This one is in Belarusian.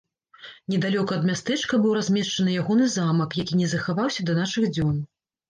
Недалёка ад мястэчка быў размешчаны ягоны замак, які не захаваўся да нашых дзён.